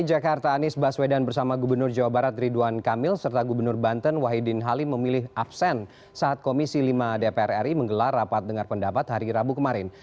gubernur dki jakarta anies baswedan bersama gubernur jawa barat ridwan kamil serta gubernur banten wahidin halim memilih absen saat komisi lima dpr ri menggelar rapat dengar pendapat hari rabu kemarin